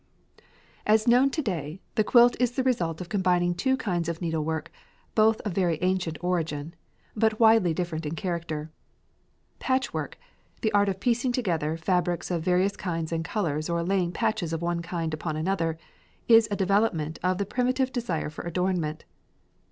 As known to day, the quilt is the result of combining two kinds of needlework, both of very ancient origin, but widely different in character. Patchwork the art of piecing together fabrics of various kinds and colours or laying patches of one kind upon another, is a development of the primitive desire for adornment.